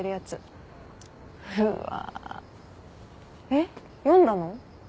えっ読んだの？